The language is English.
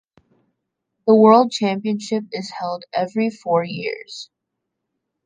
The world championship is held every four years.